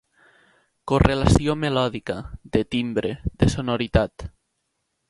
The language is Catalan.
Correlació melòdica, de timbre, de sonoritat.